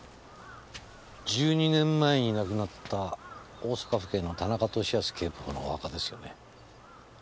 １２年前に亡くなった大阪府警の田中利靖警部補のお墓ですよね？